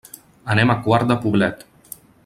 Anem a Quart de Poblet.